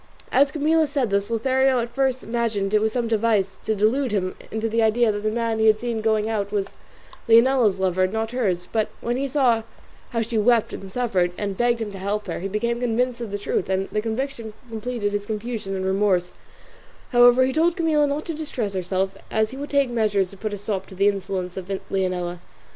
As Camilla said this Lothario at first imagined it was some device to delude him into the idea that the man he had seen going out was Leonela's lover and not hers; but when he saw how she wept and suffered, and begged him to help her, he became convinced of the truth, and the conviction completed his confusion and remorse; however, he told Camilla not to distress herself, as he would take measures to put a stop to the insolence of Leonela.